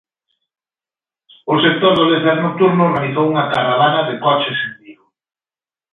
O sector do lecer nocturno organizou unha caravana de coches en Vigo.